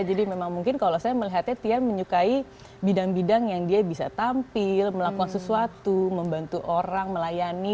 jadi memang mungkin kalau saya melihatnya tian menyukai bidang bidang yang dia bisa tampil melakukan sesuatu membantu orang melayani